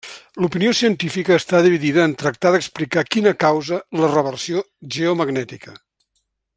L'opinió científica està dividida en tractar d'explicar quina causa la reversió geomagnètica.